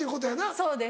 そうです！